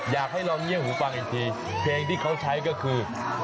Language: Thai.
อยากให้ลองเงี่ยงหูฟังอีกทีเพลงที่เขาใช้ก็คือ